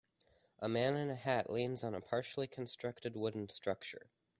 A man in a hat leans on a partially constructed wooden structure.